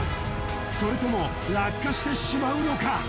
それとも落下してしまうのか？